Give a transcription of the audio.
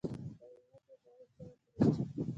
په آینده کې غواړي څه وکړي ؟